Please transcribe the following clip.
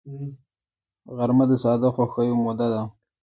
غرمه د ساده خوښیو موده ده